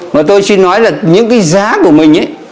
mà tôi xin nói là những cái giá của mình ấy